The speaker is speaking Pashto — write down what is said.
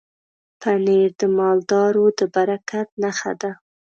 پنېر د مالدارو د برکت نښه ده.